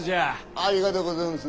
ありがとうございます。